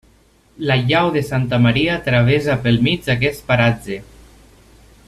La llau de Santa Maria travessa pel mig aquest paratge.